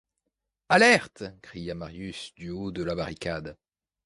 Alerte ! cria Marius du haut de la barricade.